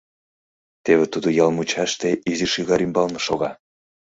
Теве тудо ял мучаште изи шӱгар ӱмбалне шога...